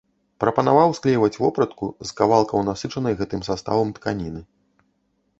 Прапанаваў склейваць вопратку з кавалкаў насычанай гэтым саставам тканіны.